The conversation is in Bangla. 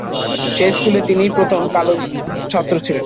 সেই স্কুলে তিনিই প্রথম কালো ছাত্র ছিলেন।